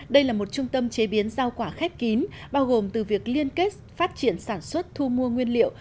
đây là một trung tâm chế biến rau quả khép kín bao gồm từ việc liên kết phát triển sản xuất thu mua nguyên liệu